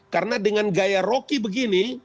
karena dengan gaya rocky begini